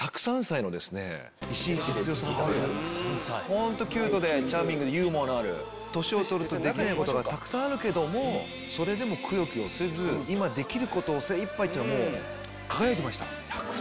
本当キュートでチャーミングでユーモアのある年を取るとできないことがたくさんあるけどもそれでもくよくよせず今できることを精いっぱい。